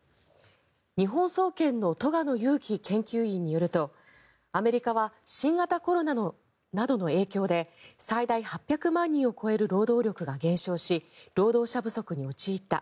日本総研の栂野裕貴研究員によるとアメリカは新型コロナなどの影響で最大８００万人を超える労働力が減少し労働者不足に陥った。